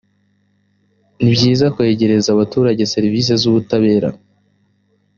ni byiza kwegereza abaturage serivise z’ ubutabera